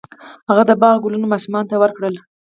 هغه د باغ ګلونه ماشومانو ته ورکړل.